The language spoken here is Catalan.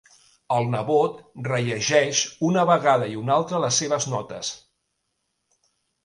El nebot rellegeix una vegada i una altra les seves notes.